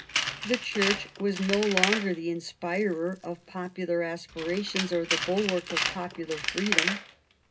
The Church was no longer the inspirer of popular aspirations or the bulwark of popular freedom.